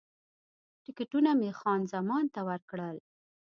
ټکټونه مې خان زمان ته ورکړل.